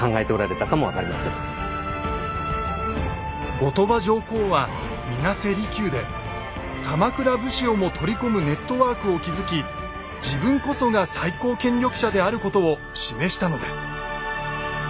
後鳥羽上皇は水無瀬離宮で鎌倉武士をも取り込むネットワークを築き自分こそが最高権力者であることを示したのです。